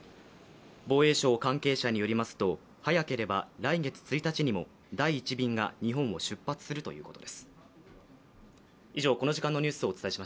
防衛省関係者によりますと早ければ来月１日にも第１便が日本を出発するということです。